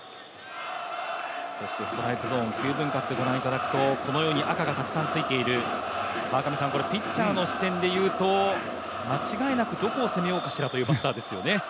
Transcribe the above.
そしてストライクゾーン９分割ご覧いただくとこのように赤がたくさんついている、これピッチャーの視線でいうと間違いなくどこを攻めようかしらというバッターですよね。